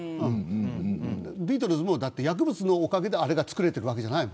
ビートルズも薬物のおかげであれが作れたわけではない。